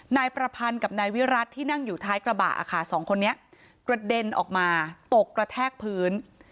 นายประพันธ์กับนายวิรัติที่นั่งอยู่ท้ายกระบะค่ะสองคนนี้กระเด็นออกมาตกกระแทกพื้น